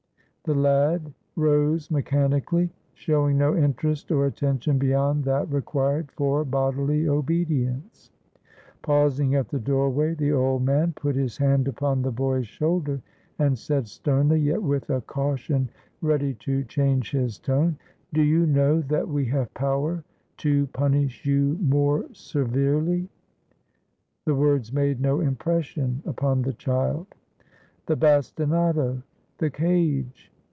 The lad rose mechanically, showing no interest or at tention beyond that required for bodily obedience. Pausing at the doorway the old man put his hand upon 499 TURKEY the boy's shoulder and said sternly, yet with a caution ready to change his tone — "Do you know that we have power to punish you more severely?" The words made no impression upon the child. "The bastinado? The cage?"